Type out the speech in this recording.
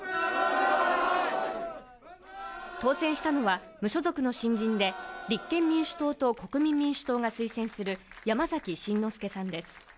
当選したのは無所属の新人で立憲民主党と国民民主党が推薦する山崎真之輔さんです。